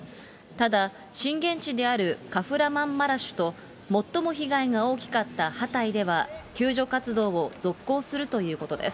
ただ、震源地であるカフラマンマラシュと、最も被害が大きかったハタイでは、救助活動を続行するということです。